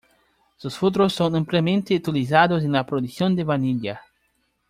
Sus frutos son ampliamente utilizados en la producción de vainilla.